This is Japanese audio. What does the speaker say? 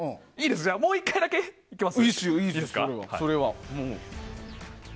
もう１回だけいきます。